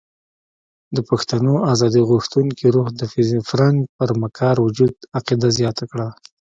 د پښتنو ازادي غوښتونکي روح د فرنګ پر مکار وجود عقیده زیاته کړه.